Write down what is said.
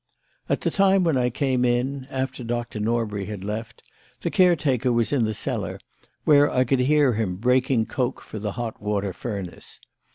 "At the time when I came in, after Doctor Norbury had left, the caretaker was in the cellar, where I could hear him breaking coke for the hot water furnace.